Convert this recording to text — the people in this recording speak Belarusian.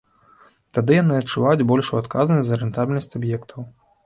Тады яны адчуваюць большую адказнасць за рэнтабельнасць аб'ектаў.